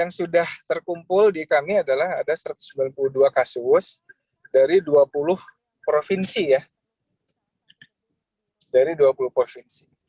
yang sudah terkumpul di kami adalah ada satu ratus sembilan puluh dua kasus dari dua puluh provinsi